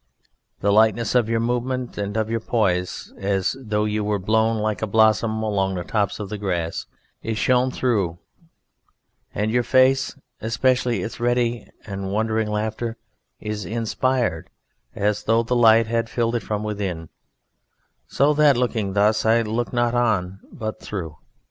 The lightness of your movement and of your poise (as though you were blown like a blossom along the tops of the grass) is shone through, and your face, especially its ready and wondering laughter, is inspired, as though the Light had filled it from within; so that, looking thus, I look not on, but through.